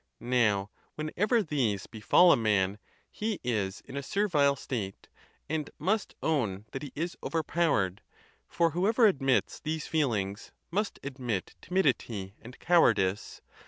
Now, whenever these befall a man, he is in a servile state, and must own that he is overpowered; for whoever admits these feelings, must admit timidity and cowardice.